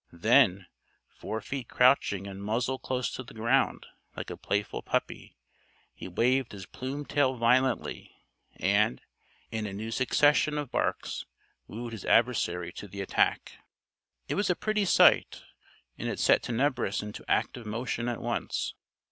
Then, forefeet crouching and muzzle close to the ground, like a playful puppy, he waved his plumed tail violently and, in a new succession of barks, wooed his adversary to the attack. It was a pretty sight. And it set Tenebris into active motion at once.